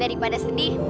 dari pada sedih